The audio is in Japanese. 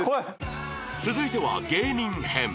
続いては芸人編